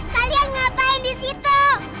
kalian ngapain di situ